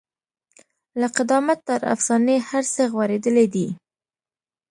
له قدامت تر افسانې هر څه غوړېدلي دي.